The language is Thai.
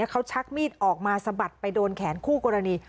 เขาชักมีดออกมาสะบัดไปโดนแขนคู่กรณี